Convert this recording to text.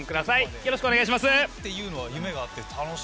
よろしくお願いします。